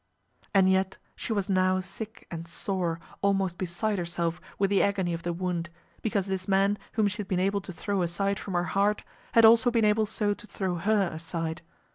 And yet she was now sick and sore, almost beside herself with the agony of the wound, because this man whom she had been able to throw aside from her heart had also been able so to throw her aside.